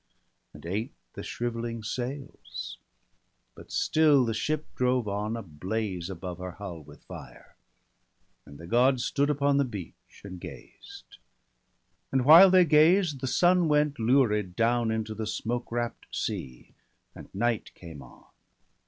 And ate the shrivelling sails; but still the ship Drove on, ablaze above her hull with fire. And the Gods stood upon the beach, and gazed. And while they gazed, the sun went lurid down Into the smoke wrapt sea, and night came on.